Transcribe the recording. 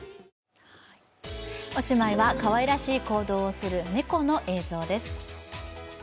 おしまいはかわいらしい行動をする猫の映像です。